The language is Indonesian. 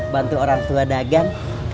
bantu orang tua dagang